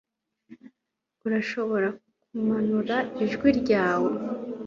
Urashobora kumanura ijwi ryawe